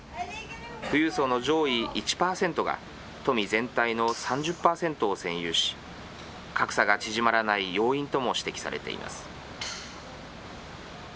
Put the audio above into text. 富裕層の上位１％が、富全体の３０％を占有し、格差が縮まらない要因とも指摘されています。